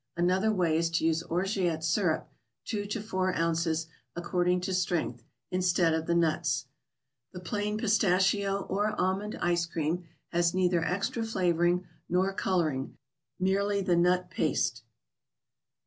Another way is to use Orgeat syrup, two to four ounces, accord¬ ing to strength, instead of the nuts. The Plain Pistach¬ io , or Almond Ice Cream has neither extra flavoring nor coloring—merely the nut paste.